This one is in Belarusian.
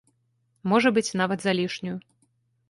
Можа быць, нават залішнюю.